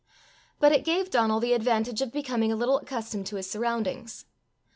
But it gave Donal the advantage of becoming a little accustomed to his surroundings.